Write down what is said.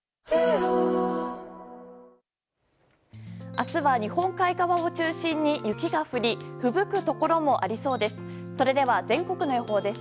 明日は日本海側を中心に雪が降りふぶくところもありそうです。